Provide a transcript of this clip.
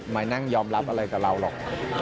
มานั่งยอมรับอะไรกับเราหรอก